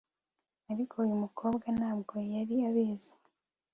ariko uyu mukobwa, ntabwo yari abizi